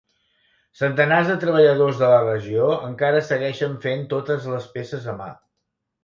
Centenars de treballadors de la regió encara segueixen fent totes les peces a mà.